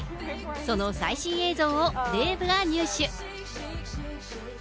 その最新映像をデーブが入手。